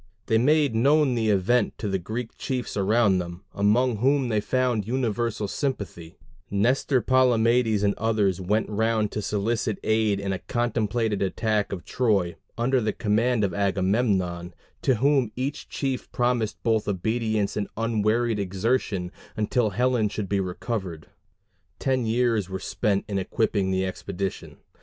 They made known the event to the Greek chiefs around them, among whom they found universal sympathy; Nestor, Palamedes, and others went round to solicit aid in a contemplated attack of Troy, under the command of Agamemnon, to whom each chief promised both obedience and unwearied exertion until Helen should be recovered. Ten years were spent in equipping the expedition.